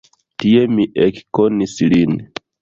Tie mi ekkonis lin.